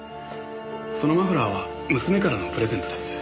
そのマフラーは娘からのプレゼントです。